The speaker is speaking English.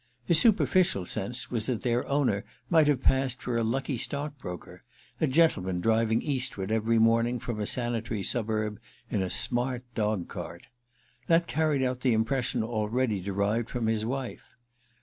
His superficial sense was that their owner might have passed for a lucky stockbroker—a gentleman driving eastward every morning from a sanitary suburb in a smart dog cart. That carried out the impression already derived from his wife.